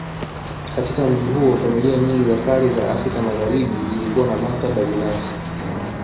Katika mji huo familia nyingi za kale za Afrika Magharibi zilikuwa na maktaba binafsi